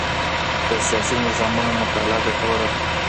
د سياسي نظامونو مطالعه ګټوره ده.